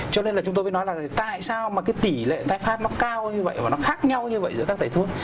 cho nên là chúng tôi mới nói là tại sao mà cái tỷ lệ tái phát nó cao như vậy và nó khác nhau như vậy giữa các thầy thuốc